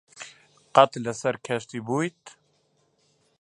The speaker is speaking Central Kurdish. قەت لەسەر کەشتی بوویت؟